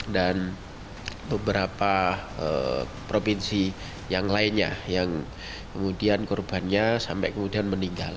dan beberapa provinsi yang lainnya yang kemudian korbannya sampai kemudian meninggal